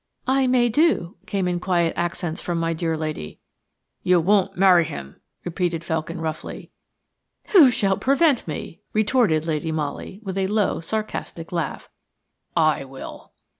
"I may do," came in quiet accents from my dear lady. "You won't marry him," repeated Felkin, roughly. "Who shall prevent me?" retorted Lady Molly, with a low, sarcastic laugh. "I will."